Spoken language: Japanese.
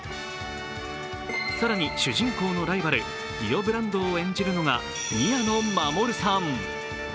更に、主人公のライバル、ディオ・ブランドーを演じるのは宮野真守さん。